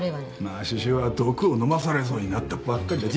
まあ獅子雄は毒を飲まされそうになったばっかりだ。